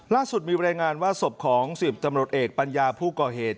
ล่าสุดมีรายงานว่าศพของ๑๐ตำรวจเอกปัญญาผู้ก่อเหตุ